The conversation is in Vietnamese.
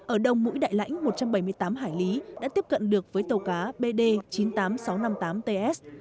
ở đồng mũi đại lãnh một trăm bảy mươi tám hải lý đã tiếp cận được với tàu cá bd chín mươi tám nghìn sáu trăm năm mươi tám ts